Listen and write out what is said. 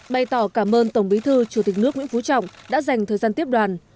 bày tỏ cảm ơn tổng bí thư chủ tịch nước nguyễn phú trọng đã dành thời gian tiếp đoàn